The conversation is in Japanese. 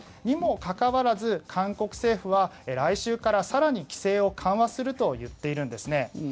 にもかかわらず韓国政府は来週から更に規制を緩和するといっているんですね。